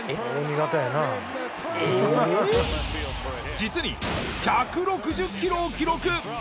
実に１６０キロを記録！